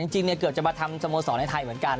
จริงเกือบจะมาทำสโมสรในไทยเหมือนกัน